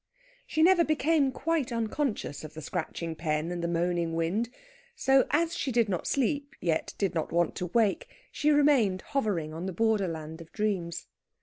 She never became quite unconscious of the scratching pen and the moaning wind; so, as she did not sleep, yet did not want to wake, she remained hovering on the borderland of dreams.